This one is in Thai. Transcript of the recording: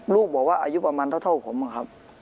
ลูกบอกว่าอายุประมาณเท่าผมนะครับ